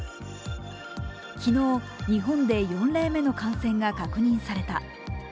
昨日、日本で４例目の感染が確認された。